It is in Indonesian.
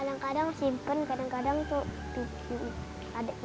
kadang kadang simpen kadang kadang tuh bikin adik pipi